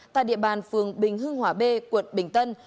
tại địa bàn phường bình hưng hòa b quận bình tân